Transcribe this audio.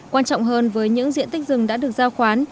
quan trọng hơn với những diện tích rừng đã được giao khoán